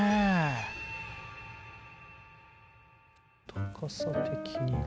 高さ的には。